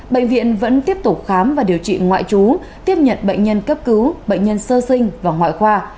bệnh viện vẫn tiếp tục khám và điều trị ngoại trú tiếp nhận bệnh nhân cấp cứu bệnh nhân sơ sinh và ngoại khoa